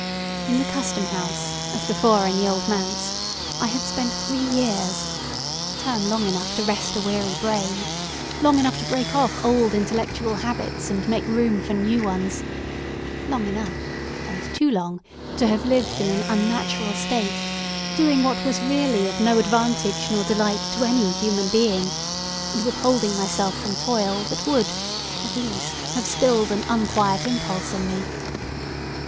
In the Custom House, as before in the Old Manse, I had spent three years—a term long enough to rest a weary brain: long enough to break off old intellectual habits, and make room for new ones: long enough, and too long, to have lived in an unnatural state, doing what was really of no advantage nor delight to any human being, and withholding myself from toil that would, at least, have stilled an unquiet impulse in me.